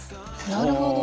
なるほど。